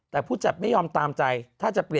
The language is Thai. แต่ผู้จัดไม่ยอมตามใจ